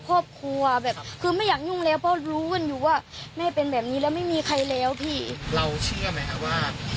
พี่ชายไม่เข้าไปน่าจะโดนนัดมาเพื่อได้ดับผ้า